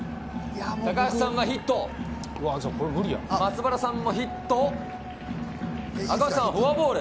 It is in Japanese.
高橋さんはヒット、松原さんもヒット、赤星さんはフォアボール。